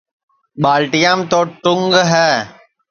ٻالٹیام تو ٹُنٚگ ہے